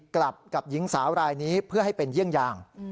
กับหญิงสาวรายนี้เพื่อให้เป็นเยี่ยงอย่าง